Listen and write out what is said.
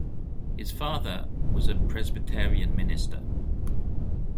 His father was a Presbyterian minister.